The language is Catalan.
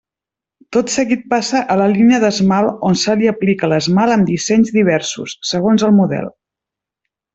Tot seguit passa a la línia d'esmalt on se li aplica l'esmalt amb dissenys diversos, segons el model.